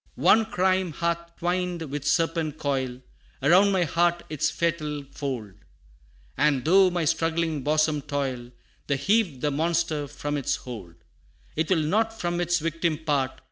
IV. "One crime hath twined with serpent coil Around my heart its fatal fold; And though my struggling bosom toil, To heave the monster from its hold It will not from its victim part.